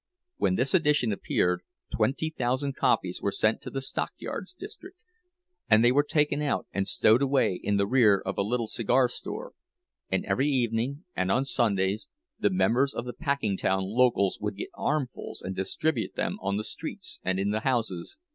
When this edition appeared, twenty thousand copies were sent to the stockyards district; and they were taken out and stowed away in the rear of a little cigar store, and every evening, and on Sundays, the members of the Packingtown locals would get armfuls and distribute them on the streets and in the houses.